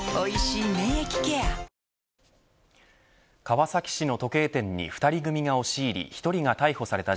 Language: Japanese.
川崎市の時計店に２人組が押し入り１人が逮捕された